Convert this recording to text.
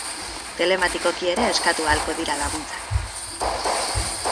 Telematikoki ere eskatu ahalko dira laguntzak.